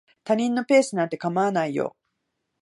他人のペースなんて構わないよ。